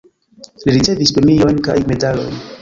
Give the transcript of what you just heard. Li ricevis premiojn kaj medalojn.